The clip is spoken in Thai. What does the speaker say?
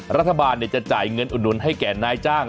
รัฐบาลจะจ่ายเงินอุดหนุนให้แก่นายจ้าง